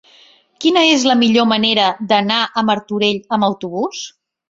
Quina és la millor manera d'anar a Martorell amb autobús?